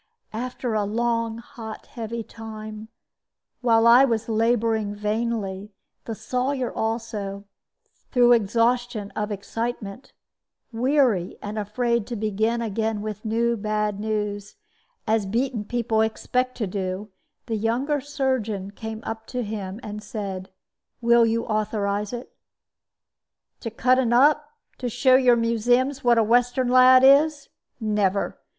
After a long, hot, heavy time, while I was laboring vainly, the Sawyer also (through exhaustion of excitement) weary, and afraid to begin again with new bad news, as beaten people expect to do, the younger surgeon came up to him, and said, "Will you authorize it?" "To cut 'un up? To show your museums what a Western lad is? Never.